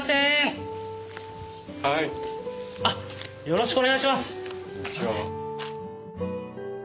よろしくお願いします。